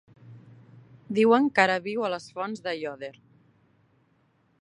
Diuen que ara viu a les Fonts d'Aiòder.